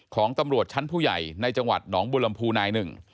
ของตำรวจชั้นผู้ใหญ่ในจังหวัดหนองบุรมภูนายหนึ่ง